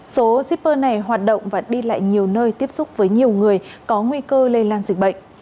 số shipper này hoạt động và đi lại nhiều nơi tiếp xúc với nhiều người có nguy cơ lây lan dịch bệnh